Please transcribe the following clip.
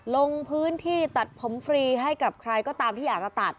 ลงพื้นที่ตัดผมฟรีให้กับใครก็ตามที่อยากจะตัด